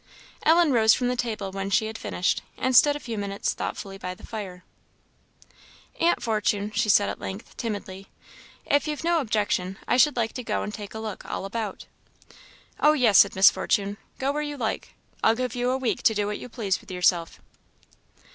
Ellen rose from the table when she had finished, and stood a few minutes thoughtfully by the fire. "Aunt Fortune," she said at length, timidly, "if you've no objection, I should like to go and take a good look all about." "Oh, yes," said Miss Fortune, "go where you like; I'll give you a week to do what you please with yourself."